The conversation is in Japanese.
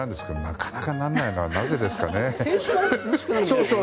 なかなかならないのはなぜですかね。